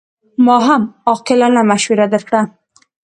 ما هم عاقلانه مشوره درکړه.